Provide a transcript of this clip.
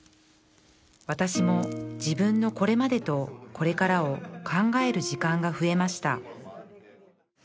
私も自分のこれまでとこれからを考える時間が増えました